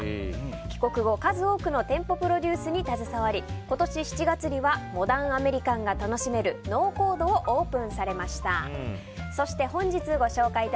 帰国後、数多くの店舗プロデュースに携わり今年７月にはモダンアメリカンが楽しめるノーコードをオープンされました。